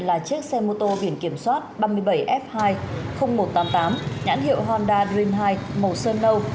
là chiếc xe mô tô viện kiểm soát ba mươi bảy f hai một trăm tám mươi tám nhãn hiệu honda dream hai màu sơn nâu